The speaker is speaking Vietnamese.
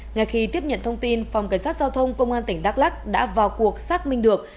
ngay khi tiếp nhận thông tin phòng cảnh sát giao thông công an tỉnh đắk lắc đã vào cuộc xác minh được